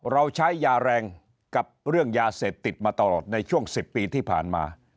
เราใช้ยาแรงกับเรื่องยาเสพติดมาตลอดในช่วง๑๐ปีที่ผ่านมา